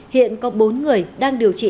hiện có bốn người đang điều trị